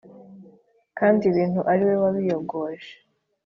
kandi ibintu ari we wabiyogoje!